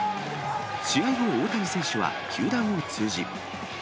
試合後、大谷選手は球団を通じ。